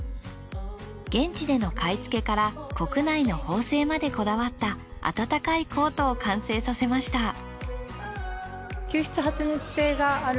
現地での買い付けから国内の縫製までこだわった暖かいコートを完成させました。